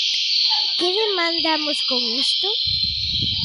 ¿Que demandamos con isto?